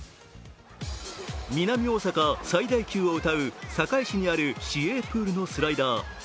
南大阪最大級を歌う堺市にある市営プールのスライダー。